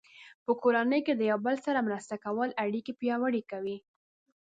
په کورنۍ کې د یو بل سره مرسته کول اړیکې پیاوړې کوي.